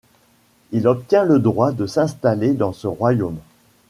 Il obtient le droit de s'installer dans ce royaume.